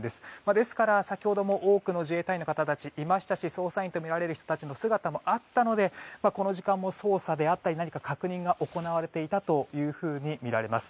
ですから、先ほども多くの自衛隊員の方たちがいましたし捜査員とみられる人たちの姿もあったのでこの時間も捜査であったり何か確認が行われていたというふうにみられます。